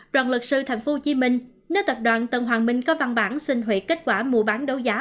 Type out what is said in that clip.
đoàn luật sư tp hcm nơi tập đoàn tân hoàng minh có văn bản xin hủy kết quả mua bán đấu giá